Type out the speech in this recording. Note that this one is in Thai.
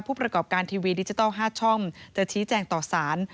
ผู้ประกอบการทีวีดิจิทัล๕ช่องจะชี้แจงต่อสาร